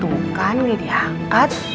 tuh kan ini diangkat